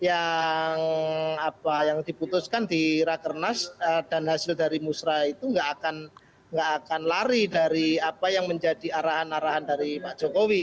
saya yakin bahwa nanti apa yang diputuskan di rakenasi dan hasil dari musrah itu gak akan lari dari apa yang menjadi arahan arahan dari pak jokowi